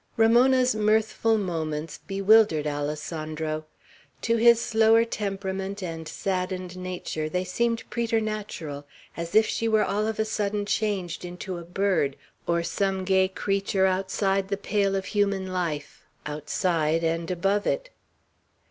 Ramona's mirthful moments bewildered Alessandro. To his slower temperament and saddened nature they seemed preternatural; as if she were all of a sudden changed into a bird, or some gay creature outside the pale of human life, outside and above it.